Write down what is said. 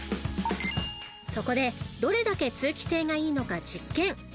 ［そこでどれだけ通気性がいいのか実験］